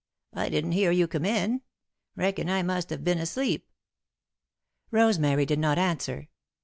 I didn't hear you come in. Reckon I must have been asleep." Rosemary did not answer.